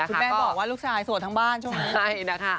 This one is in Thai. คุณแม่บอกว่าลูกชายโสดทั้งบ้านใช่ไหม